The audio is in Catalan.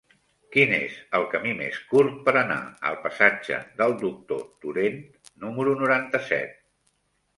Quin és el camí més curt per anar al passatge del Doctor Torent número noranta-set?